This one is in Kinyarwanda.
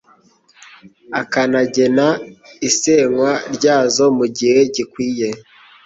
akanagena isenywa ryazo mugihe gikwiye